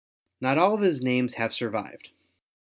Not all of his names have survived.